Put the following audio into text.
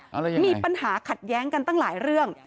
อะไรยังไงมีปัญหาขัดแย้งกันตั้งหลายเรื่อง